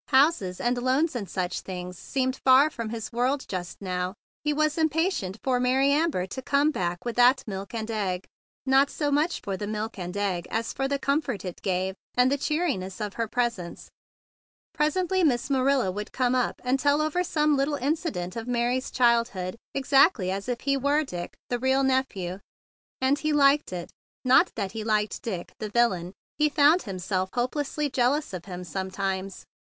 Houses and loans and such things seemed far from his world just now. He was impatient for Mary Amber to come back with that milk and egg. Not so much for the milk and egg 150 THE BIG BLUE SOLDIER as for the comfort it gave, and the cheeriness of her presence. Presently Mass Manila would come up and tell over some little incident of Mary's childhood exactlv as if he were Dick. we the real nephew; and he liked it. Not that he liked Dick, the villain! He found himself hopelessly jealous of him sometimes.